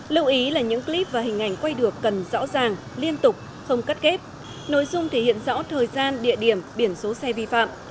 lưu ý là những clip và hình ảnh quay được cần rõ ràng liên tục không cắt kép nội dung thể hiện rõ thời gian địa điểm biển số xe vi phạm